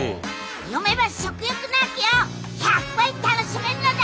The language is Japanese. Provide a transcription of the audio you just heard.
読めば食欲の秋を１００倍楽しめるのだ！